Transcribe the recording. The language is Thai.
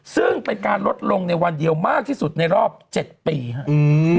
ซึ่งเป็นการลดลงในวันเดียวมากที่สุดในรอบ๗ปีครับ